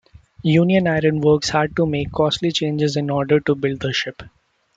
Union Iron Works had to make costly changes in order to build the ship.